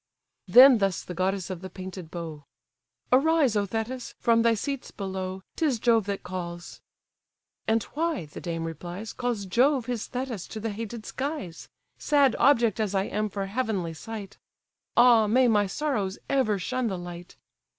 Then thus the goddess of the painted bow: "Arise, O Thetis! from thy seats below, 'Tis Jove that calls."—"And why (the dame replies) Calls Jove his Thetis to the hated skies? Sad object as I am for heavenly sight! Ah may my sorrows ever shun the light!